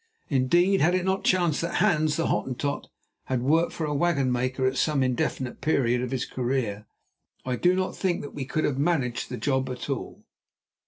Indeed, had it not chanced that Hans, the Hottentot, had worked for a wagon maker at some indefinite period of his career, I do not think that we could have managed the job at all.